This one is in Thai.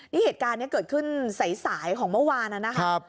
นี่เหตุการณ์นี้เกิดขึ้นสายของเมื่อวานนะครับ